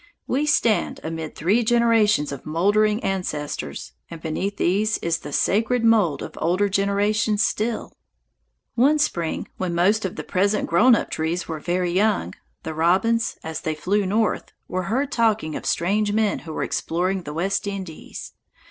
We stand amid three generations of mouldering ancestors, and beneath these is the sacred mould of older generations still. [Illustration: A GRASS PLOT AMONG ENGELMANN SPRUCE] "One spring, when most of the present grown up trees were very young, the robins, as they flew north, were heard talking of strange men who were exploring the West Indies.